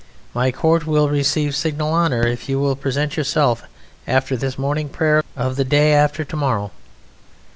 My court will receive signal honour if you will present yourself after the morning prayer of the day after to morrow.